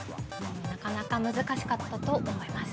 ◆なかなか難しかったと思います。